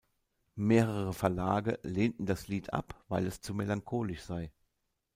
Mehrere Verlage lehnten das Lied ab, weil es zu melancholisch sei.